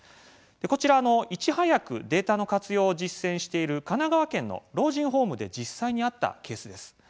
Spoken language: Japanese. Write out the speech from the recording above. こちら、いち早くデータの活用を実践している神奈川県の老人ホームで実際にあったケースです。